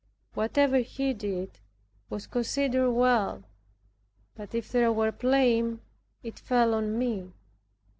Whatever he did was considered well; but if there were blame, it fell on me.